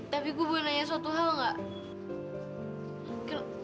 tapi gue mau nanya suatu hal enggak